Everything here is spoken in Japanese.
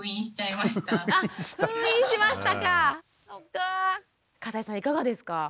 いかがですか？